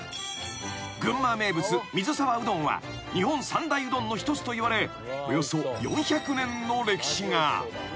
［群馬名物水沢うどんは日本三大うどんの一つといわれおよそ４００年の歴史が］